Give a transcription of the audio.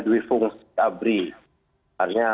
diwifungs abri hanya